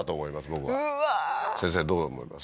僕はうわー先生どう思います？